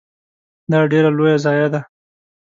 دا ډیره لوی ضایعه ده .